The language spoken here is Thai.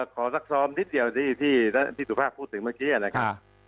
ซักซ้อมนิดเดียวที่สุภาพพูดถึงเมื่อกี้นะครับ